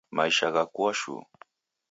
Maisha ghakua shuu.